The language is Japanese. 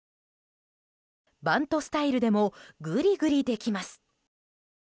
バントスタイルでもグリグリできます。